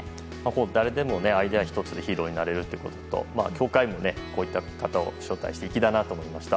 誰でもアイデア１つでヒーローになれるということと教会もこういった方を紹介していて粋だなと思いました。